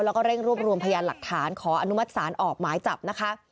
แล้วก็เร่งรวบรวมพยานหลักฐานขออนุมัติศาลออกหมายจับนะคะ